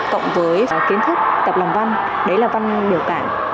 cộng với kiến thức tập làm văn đấy là văn biểu cảm